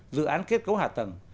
dự án kết cấu hạ tầng